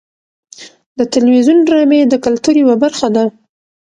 د تلویزیون ډرامې د کلتور یوه برخه ده.